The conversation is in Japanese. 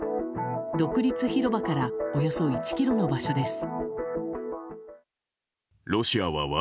独立広場からおよそ１ｋｍの場所です。